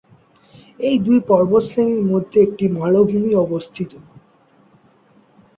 এই দুই পর্বতশ্রেণীর মধ্যে একটি মালভূমি অবস্থিত।